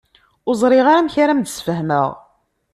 Ur ẓriɣ ara amek ara am-d-sfehmeɣ.